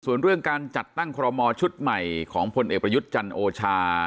ส่วนเรื่องการจัดตั้งคอรมอชุดใหม่ของพลเอกประยุทธ์จันโอชา